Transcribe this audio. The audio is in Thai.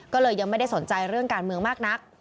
ก็เลยยังไม่ได้สนใจเรื่องการเมืองมากนัก